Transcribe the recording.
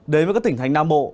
đến với các tỉnh thành nam bộ